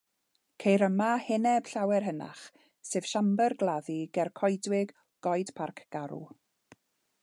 Ceir yma heneb llawer hynach, sef siambr gladdu ger coedwig Goed Parc Garw.